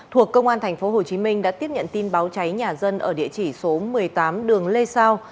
thuộc công an tp hcm đã tiếp nhận tin báo cháy nhà dân ở địa chỉ số một mươi tám đường lê sao